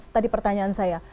tadi pertanyaan saya